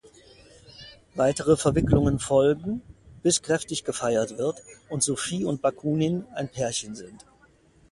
Weitere Verwicklungen folgen, bis kräftig gefeiert wird und Sophie und Bakunin ein Pärchen sind.